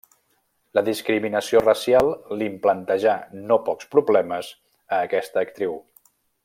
La discriminació racial li'n plantejà no pocs problemes a aquesta actriu.